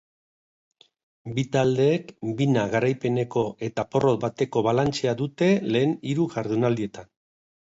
Bi taldeek bina garaipeneko eta porrot bateko balantzea dute lehen hiru jardunaldietan.